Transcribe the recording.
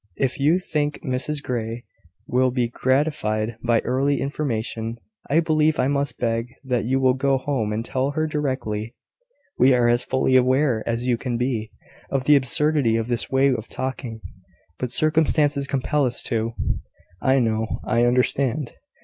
If you think Mrs Grey will be gratified by early information, I believe I must beg that you will go home and tell her directly. We are as fully aware as you can be, of the absurdity of this way of talking: but circumstances compel us to " "I know, I understand.